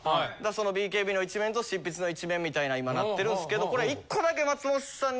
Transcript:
そのＢＫＢの一面と執筆の一面みたいな今なってるんすけど１個だけ。